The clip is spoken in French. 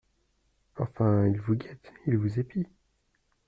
Enfin, il vous guette, il vous épie…